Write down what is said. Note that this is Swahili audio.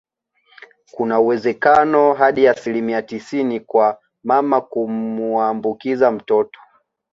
Kuna uwezekano hadi asilimia tisini kwa mama kumuambukiza mtoto